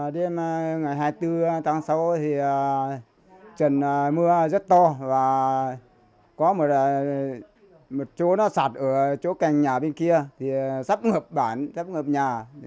đêm ngày hai mươi bốn tháng sáu trần mưa rất to và có một chỗ sạt ở chỗ cành nhà bên kia sắp ngập bản sắp ngập nhà